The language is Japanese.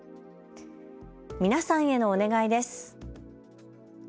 皆さんへのお願いです。